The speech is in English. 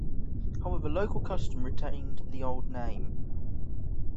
However local custom retained the old name.